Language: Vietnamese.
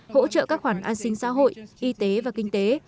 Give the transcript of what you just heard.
hỗ trợ các khoản an sinh xã hội y tế và kinh tế